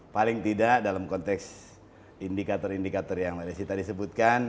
paling tidak dalam konteks indikator indikator yang mbak desi tadi sebutkan